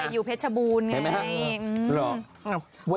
อยู่เพชรบูรณ์ไง